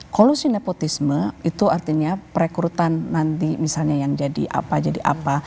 kolusi nepotisme itu artinya perekrutan nanti misalnya yang jadi apa jadi apa